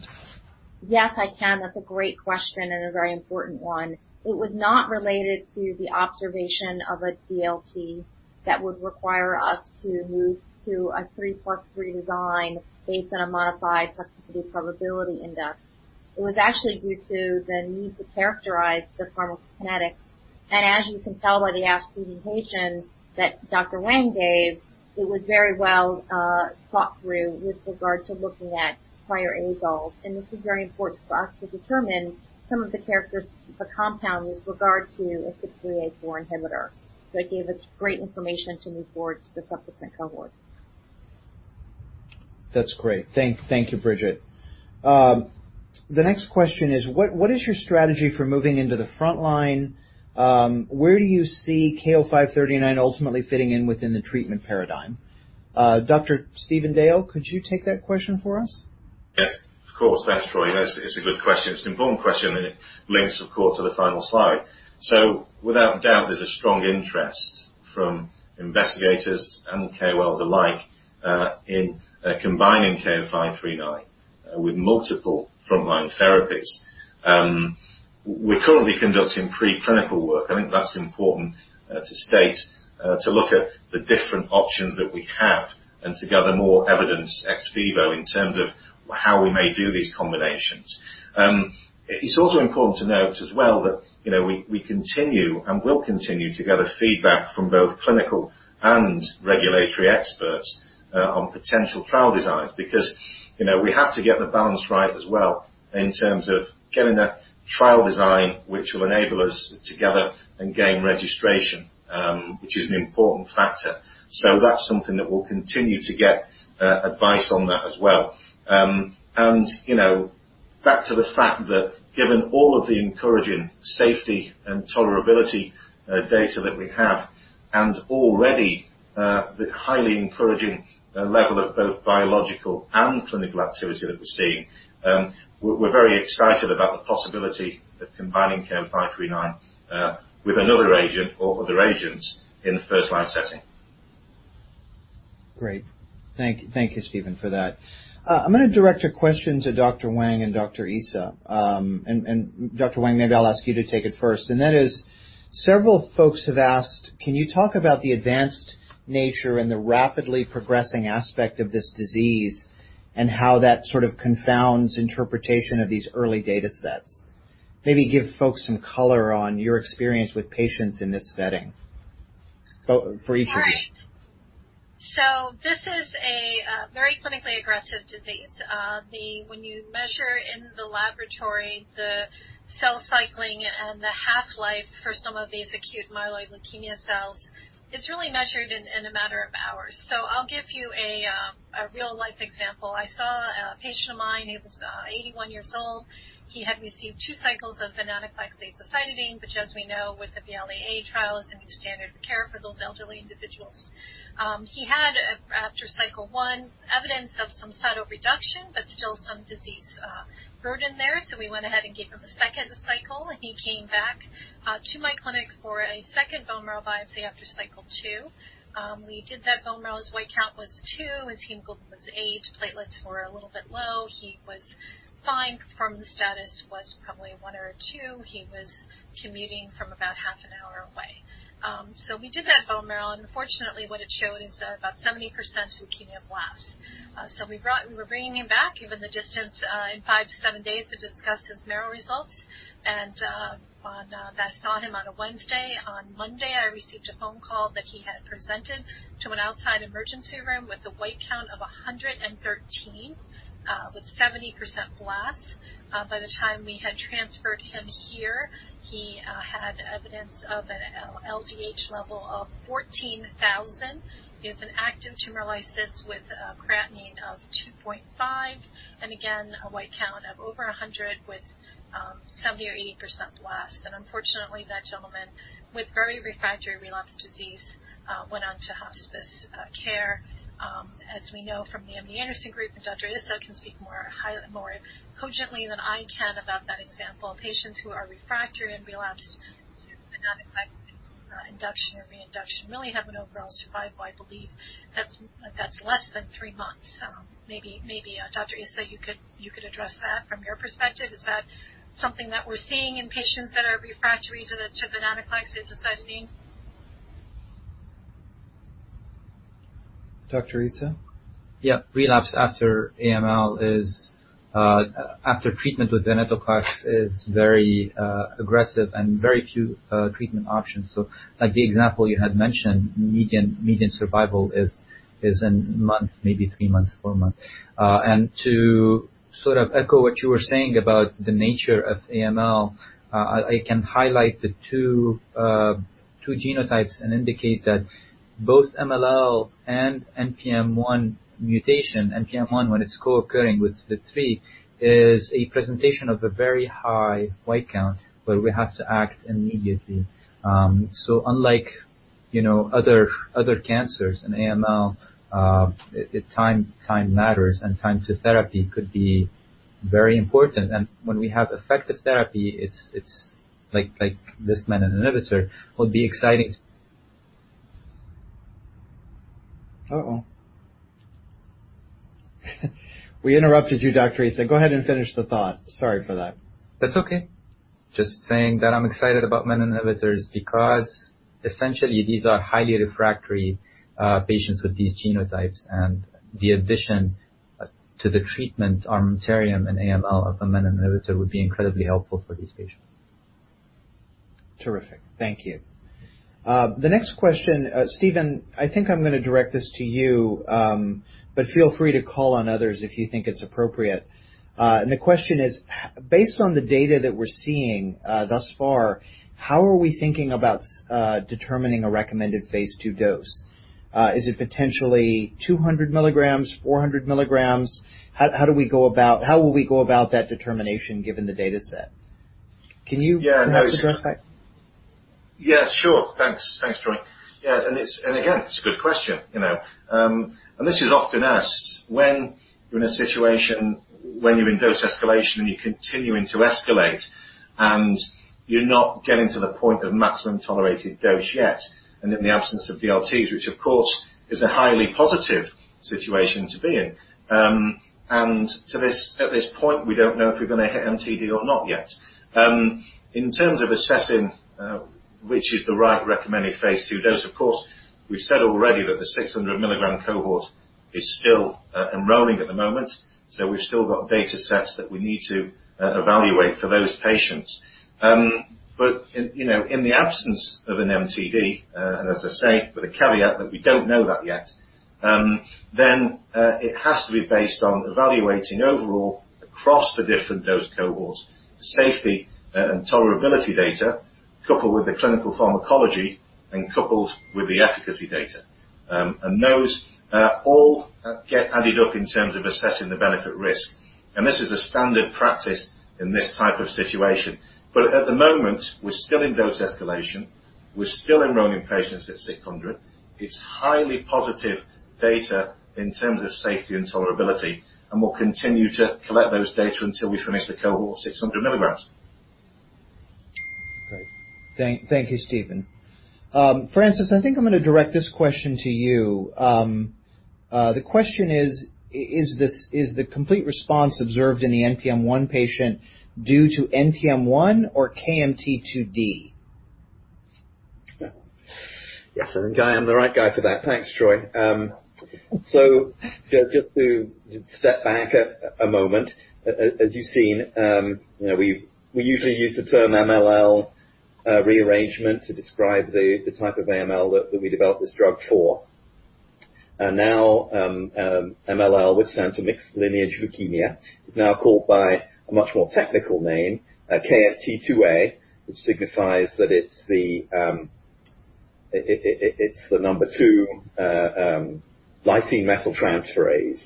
Yes, I can. That's a great question and a very important one. It was not related to the observation of a DLT that would require us to move to a three plus three design based on a modified toxicity probability interval. It was actually due to the need to characterize the pharmacokinetics. As you can tell by the ASH presentation that Dr. Wang gave, it was very well thought through with regard to looking at prior AML, and this is very important for us to determine some of the characteristics of the compound with regard to a CYP3A4 inhibitor. It gave us great information to move forward to the subsequent cohort. That's great. Thank you, Bridget. The next question is, what is your strategy for moving into the front line? Where do you see KO-539 ultimately fitting in within the treatment paradigm? Dr. Stephen Dale, could you take that question for us? Yeah, of course. Thanks, Troy. It's a good question. It's an important question, and it links, of course, to the final slide. Without doubt, there's a strong interest from investigators and KOLs alike in combining KO-539 with multiple frontline therapies. We're currently conducting pre-clinical work, I think that's important to state, to look at the different options that we have and to gather more evidence ex vivo in terms of how we may do these combinations. It's also important to note as well that we continue and will continue to gather feedback from both clinical and regulatory experts on potential trial designs because we have to get the balance right as well in terms of getting a trial design which will enable us to gather and gain registration, which is an important factor. That's something that we'll continue to get advice on that as well. Back to the fact that given all of the encouraging safety and tolerability data that we have and already the highly encouraging level of both biological and clinical activity that we're seeing, we're very excited about the possibility of combining KO-539 with another agent or other agents in the first-line setting. Great. Thank you, Stephen, for that. I'm going to direct a question to Dr. Wang and Dr. Issa. Dr. Wang, maybe I'll ask you to take it first, and that is, several folks have asked, can you talk about the advanced nature and the rapidly progressing aspect of this disease and how that sort of confounds interpretation of these early data sets? Maybe give folks some color on your experience with patients in this setting for each of you. Sure. This is a very clinically aggressive disease. When you measure in the laboratory, the cell cycling and the half-life for some of these acute myeloid leukemia cells, it's really measured in a matter of hours. I'll give you a real-life example. I saw a patient of mine, he was 81 years old. He had received two cycles of venetoclax and cytarabine, which as we know with the VIALE trials and the standard of care for those elderly individuals. He had, after cycle one, evidence of some cytoreduction, but still some disease burden there. We went ahead and gave him a second cycle, and he came back to my clinic for a second bone marrow biopsy after cycle two. We did that bone marrow. His white count was two, his hemoglobin was eight. Platelets were a little bit low. He was fine. Performance status was probably a one or a two. He was commuting from about half an hour away. Unfortunately, what it showed is about 70% leukemia blasts. We were bringing him back, given the distance, in five to seven days to discuss his marrow results. I saw him on a Wednesday. On Monday, I received a phone call that he had presented to an outside emergency room with a white count of 113 with 70% blasts. By the time we had transferred him here, he had evidence of an LDH level of 14,000. He has an active tumor lysis with a creatinine of 2.5, a white count of over 100 with 70% or 80% blast. Unfortunately, that gentleman with very refractory relapse disease went on to hospice care. As we know from the MD Anderson group, and Dr. Issa can speak more cogently than I can about that example, patients who are refractory and relapsed to venetoclax induction or reinduction really have an overall survival, I believe that's less than three months. Maybe, Dr. Issa, you could address that from your perspective. Is that something that we're seeing in patients that are refractory to the venetoclax and azacitidine? Dr. Issa? Yeah. Relapse after AML, after treatment with venetoclax, is very aggressive and very few treatment options. Like the example you had mentioned, median survival is a month, maybe three months, four months. To sort of echo what you were saying about the nature of AML, I can highlight the two genotypes and indicate that both MLL and NPM1 mutation, NPM1 when it's co-occurring with the three, is a presentation of a very high white count where we have to act immediately. Unlike other cancers, in AML, time matters, and time to therapy could be very important. When we have effective therapy, it's like this menin inhibitor would be exciting. Uh-oh. We interrupted you, Dr. Issa. Go ahead and finish the thought. Sorry for that. That's okay. Just saying that I'm excited about menin inhibitors because essentially these are highly refractory patients with these genotypes. The addition to the treatment armamentarium in AML of a menin inhibitor would be incredibly helpful for these patients. Terrific. Thank you. The next question, Stephen, I think I'm going to direct this to you, but feel free to call on others if you think it's appropriate. The question is, based on the data that we're seeing thus far, how are we thinking about determining a recommended phase II dose? Is it potentially 200 milligrams, 400 milligrams? How will we go about that determination given the data set? Can you address that? Yeah, sure. Thanks, Troy. Again, it's a good question. This is often asked when you're in a situation, when you're in dose escalation and you're continuing to escalate, and you're not getting to the point of maximum tolerated dose yet. In the absence of DLTs, which of course is a highly positive situation to be in. At this point, we don't know if we're going to hit MTD or not yet. In terms of assessing which is the right recommended phase II dose, of course, we've said already that the 600 milligram cohort is still enrolling at the moment, so we've still got data sets that we need to evaluate for those patients. In the absence of an MTD, and as I say, with a caveat that we don't know that yet, then it has to be based on evaluating overall across the different dose cohorts, safety and tolerability data, coupled with the clinical pharmacology and coupled with the efficacy data. Those all get added up in terms of assessing the benefit risk. This is a standard practice in this type of situation. At the moment, we're still in dose escalation, we're still enrolling patients at 600. It's highly positive data in terms of safety and tolerability, and we'll continue to collect those data until we finish the cohort 600 milligrams. Great. Thank you, Stephen. Francis, I think I am going to direct this question to you. The question is: Is the complete response observed in the NPM1 patient due to NPM1 or KMT2D? Yes, I think I am the right guy for that. Thanks, Troy. Just to step back a moment, as you've seen, we usually use the term MLL rearrangement to describe the type of AML that we developed this drug for. Now, MLL, which stands for mixed lineage leukemia, is now called by a much more technical name, KMT2A, which signifies that it's the number two lysine methyltransferase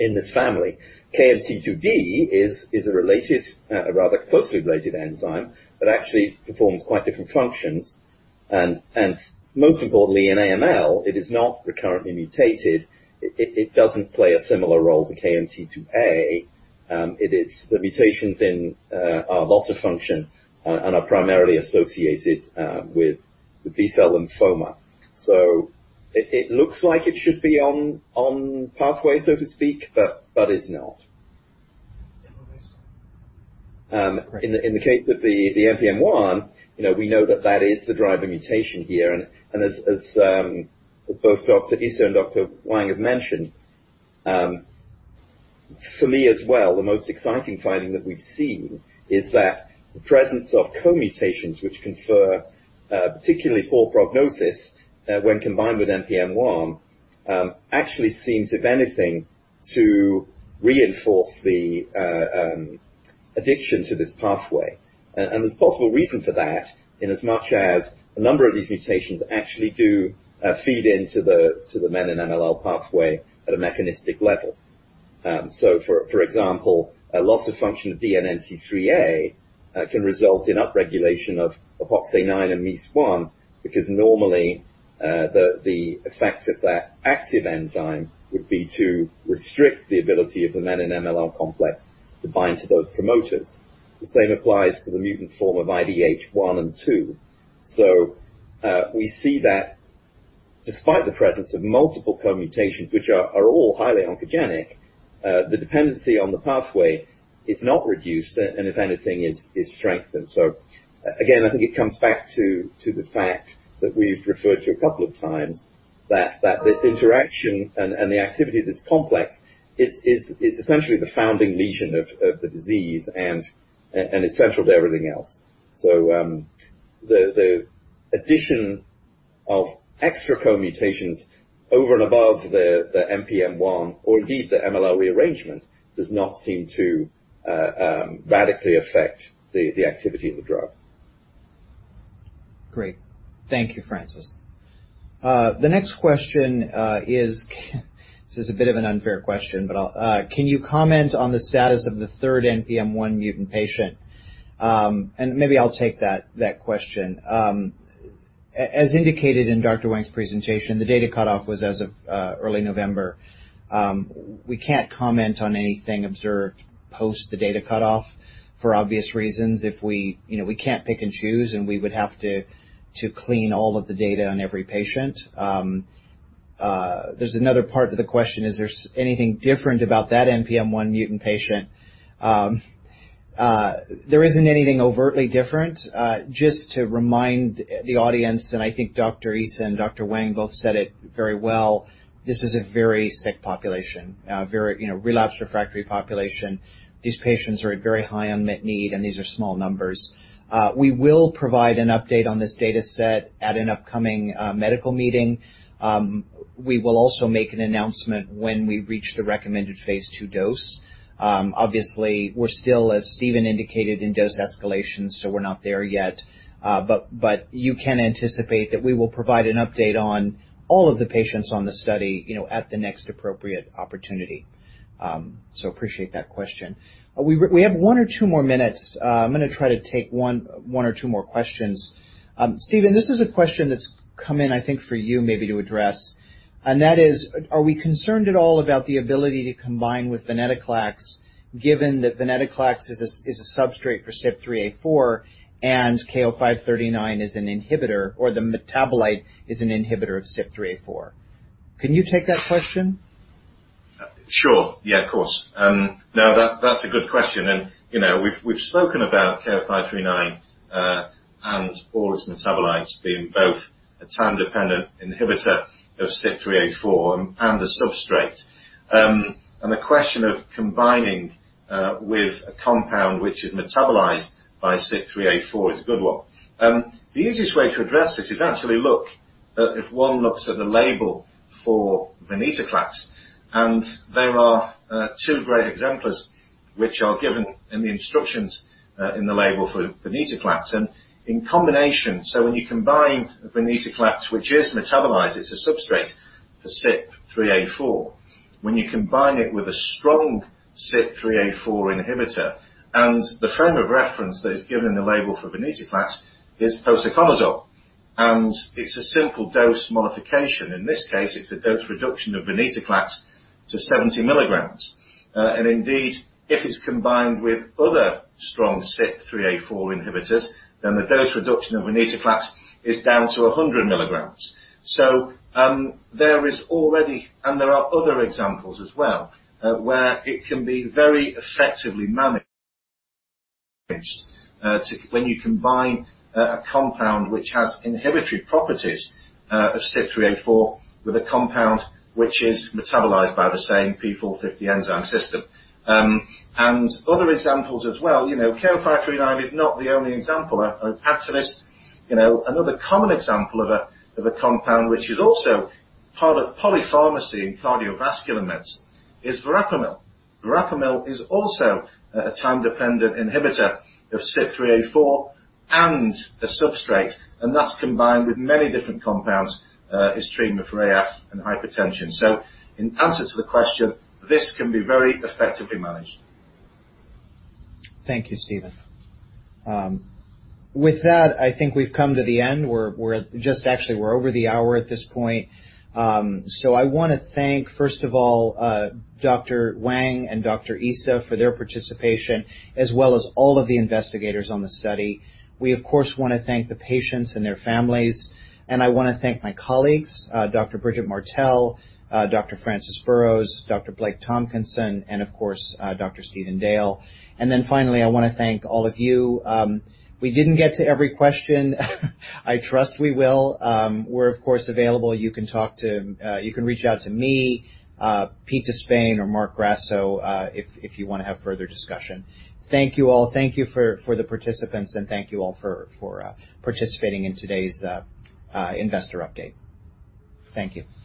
in this family. KMT2D is a rather closely related enzyme, but actually performs quite different functions, and most importantly, in AML, it is not recurrently mutated. It doesn't play a similar role to KMT2A. The mutations are loss of function and are primarily associated with B-cell lymphoma. It looks like it should be on pathway, so to speak, but is not. Okay. In the case of the NPM1, we know that that is the driver mutation here. As both Dr. Issa and Dr. Wang have mentioned, for me as well, the most exciting finding that we've seen is that the presence of co-mutations which confer particularly poor prognosis when combined with NPM1. Actually seems, if anything, to reinforce the addiction to this pathway. There's a possible reason for that, in as much as a number of these mutations actually do feed into the menin-MLL pathway at a mechanistic level. For example, a loss of function of DNMT3A can result in upregulation of HOXA9 and MEIS1, because normally, the effect of that active enzyme would be to restrict the ability of the menin-MLL complex to bind to those promoters. The same applies to the mutant form of IDH1 and 2. We see that despite the presence of multiple co-mutations, which are all highly oncogenic, the dependency on the pathway is not reduced and if anything is strengthened. Again, I think it comes back to the fact that we've referred to a couple of times that this interaction and the activity of this complex is essentially the founding lesion of the disease and essential to everything else. The addition of extra co-mutations over and above the NPM1 or indeed the MLL rearrangement does not seem to radically affect the activity of the drug. Great. Thank you, Francis. The next question is a bit of an unfair question, can you comment on the status of the third NPM1 mutant patient? Maybe I'll take that question. As indicated in Dr. Wang's presentation, the data cutoff was as of early November. We can't comment on anything observed post the data cutoff for obvious reasons. We can't pick and choose, we would have to clean all of the data on every patient. There's another part to the question, is there anything different about that NPM1 mutant patient? There isn't anything overtly different. Just to remind the audience, I think Dr. Issa and Dr. Wang both said it very well, this is a very sick population, a very relapsed refractory population. These patients are at very high unmet need, these are small numbers. We will provide an update on this data set at an upcoming medical meeting. We will also make an announcement when we reach the recommended phase II dose. Obviously, we're still, as Stephen indicated, in dose escalation, so we're not there yet. You can anticipate that we will provide an update on all of the patients on the study at the next appropriate opportunity. Appreciate that question. We have one or two more minutes. I'm going to try to take one or two more questions. Stephen, this is a question that's come in, I think for you maybe to address, and that is, are we concerned at all about the ability to combine with venetoclax, given that venetoclax is a substrate for CYP3A4 and KO-539 is an inhibitor, or the metabolite is an inhibitor of CYP3A4? Can you take that question? Sure. Yeah, of course. No, that's a good question. We've spoken about KO-539 and all its metabolites being both a time-dependent inhibitor of CYP3A4 and a substrate. The question of combining with a compound which is metabolized by CYP3A4 is a good one. The easiest way to address this is actually look, if one looks at the label for venetoclax, and there are two great exemplars which are given in the instructions in the label for venetoclax and in combination. When you combine venetoclax, which is metabolized, it's a substrate for CYP3A4. When you combine it with a strong CYP3A4 inhibitor and the frame of reference that is given in the label for venetoclax is posaconazole, and it's a simple dose modification. In this case, it's a dose reduction of venetoclax to 70 milligrams. Indeed, if it's combined with other strong CYP3A4 inhibitors, then the dose reduction of venetoclax is down to 100 milligrams. There are other examples as well where it can be very effectively managed when you combine a compound which has inhibitory properties of CYP3A4 with a compound which is metabolized by the same P450 enzyme system. Other examples as well, KO-539 is not the only example. Actually, another common example of a compound which is also part of polypharmacy in cardiovascular meds is verapamil. Verapamil is also a time-dependent inhibitor of CYP3A4 and a substrate, and that's combined with many different compounds, is treatment for AF and hypertension. In answer to the question, this can be very effectively managed. Thank you, Stephen. With that, I think we've come to the end. We're over the hour at this point. I want to thank, first of all, Dr. Wang and Dr. Issa for their participation, as well as all of the investigators on the study. We, of course, want to thank the patients and their families, and I want to thank my colleagues, Dr. Bridget Martell, Dr. Francis Burrows, Dr. Blake Tomkinson, and of course, Dr. Stephen Dale. Finally, I want to thank all of you. We didn't get to every question. I trust we will. We're, of course, available. You can reach out to me, Pete De Spain or Marc Grasso, if you want to have further discussion. Thank you all. Thank you for the participants, and thank you all for participating in today's investor update. Thank you.